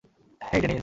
হেই, Dennis.